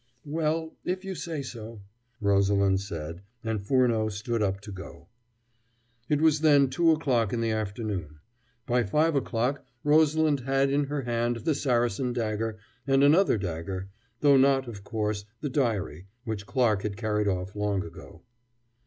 "Well, if you say so " Rosalind said, and Furneaux stood up to go. It was then two o'clock in the afternoon. By five o'clock Rosalind had in her hand the Saracen dagger, and another dagger though not, of course, the diary, which Clarke had carried off long ago.